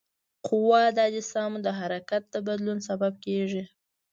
قوه د اجسامو د حرکت د بدلون سبب کیږي.